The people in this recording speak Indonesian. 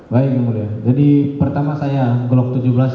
baik jadi pertama saya glock tujuh belas